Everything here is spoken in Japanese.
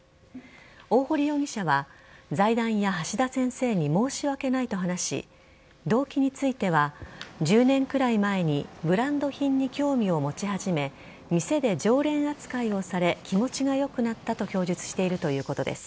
大堀容疑者は財団や橋田先生に申し訳ないと話し動機については１０年くらい前にブランド品に興味を持ち始め店で常連扱いをされ気持ちが良くなったと供述しているということです。